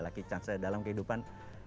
lucky chance dalam kehidupan